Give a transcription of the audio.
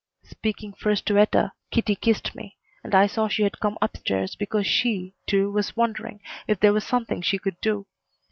Speaking first to Etta, Kitty kissed me, and I saw she had come up stairs because she, too, was wondering if there was something she could do.